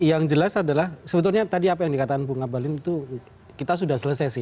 yang jelas adalah sebetulnya tadi apa yang dikatakan bung abalin itu kita sudah selesai sih